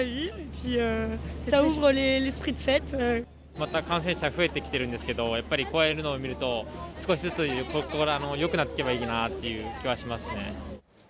また感染者増えてきてるんですけど、やっぱりこういうのを見ると、少しずつここからよくなっていけばいいなっていう気はしますね。